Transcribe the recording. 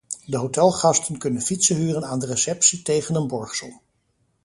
De hotelgasten kunnen fietsen huren aan de receptie tegen een borgsom.